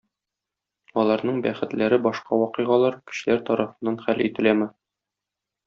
Аларның бәхетләре башка вакыйгалар, көчләр тарафыннан хәл ителәме?